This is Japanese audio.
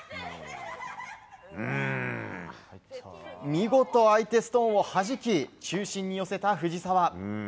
見事、相手ストーンをはじき中心に寄せた藤澤。